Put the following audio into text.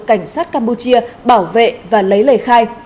cảnh sát campuchia bảo vệ và lấy lời khai